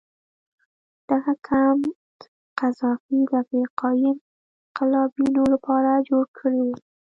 دغه کمپ قذافي د افریقایي انقلابینو لپاره جوړ کړی و.